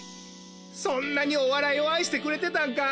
そんなにおわらいをあいしてくれてたんか。